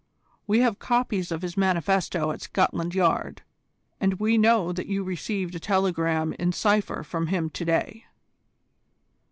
We have copies of his manifesto at Scotland Yard, and we know that you received a telegram in cypher from him to day."